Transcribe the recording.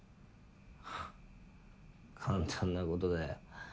ふっ簡単なことだよ。